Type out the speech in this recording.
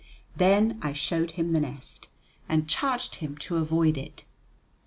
Then I showed him the nest, and charged him to avoid it.